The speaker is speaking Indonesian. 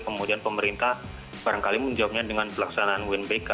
kemudian pemerintah barangkali menjawabnya dengan pelaksanaan unbk